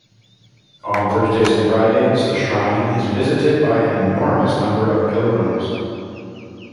On Thursdays and Fridays, the shrine is visited by an enormous number of pilgrims.